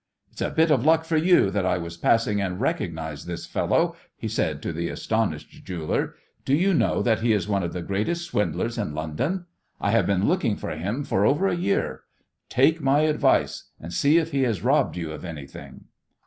"It's a bit of luck for you that I was passing and recognized this fellow," he said to the astonished jeweller. "Do you know that he is one of the greatest swindlers in London? I have been looking for him for over a year. Take my advice and see if he has robbed you of anything."